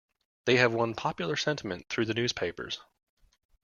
They have won popular sentiment through the newspapers.